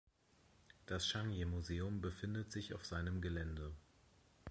Das Zhangye-Museum befindet sich auf seinem Gelände.